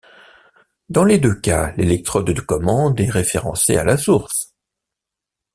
Dans les deux cas, l'électrode de commande est référencée à la source.